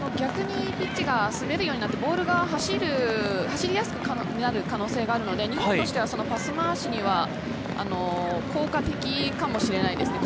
ピッチが滑るようになってボールが走りやすくなる可能性があるので、日本としてはパス回しには、効果的かもしれないですね。